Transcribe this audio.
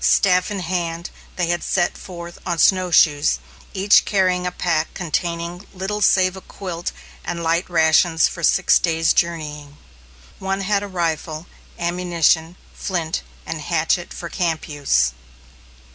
Staff in hand, they had set forth on snowshoes, each carrying a pack containing little save a quilt and light rations for six days' journeying. One had a rifle, ammunition, flint, and hatchet for camp use.